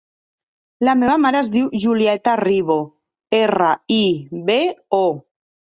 La meva mare es diu Julieta Ribo: erra, i, be, o.